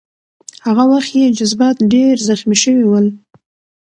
هغه وخت یې جذبات ډېر زخمي شوي ول.